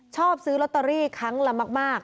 ชอบซื้อลอตเตอรี่ครั้งละมาก